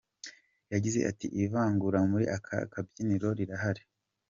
Yagize ati “Ivangura muri aka kabyiniro rirahari.